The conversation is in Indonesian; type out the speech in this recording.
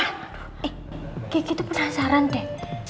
eh kiki tuh penasaran deh